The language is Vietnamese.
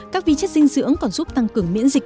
các vi chất dinh dưỡng còn giúp tăng cường miễn dịch